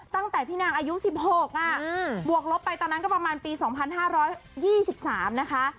ตั้งแต่พี่นางอายุ๑๖บวกลบไปตอนนั้นก็ประมาณปี๒๕๒๓นะคะ